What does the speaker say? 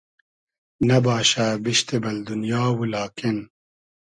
نئباشۂ بیشتی بئل دونیا و لاکین